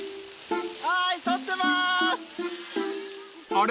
［あれ？